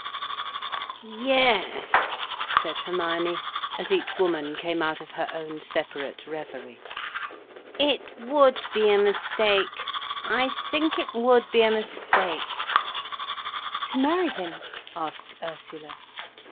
"Yes," said Hermione, as each woman came out of her own separate reverie. "It would be a mistake—I think it would be a mistake—" "To marry him?" asked Ursula.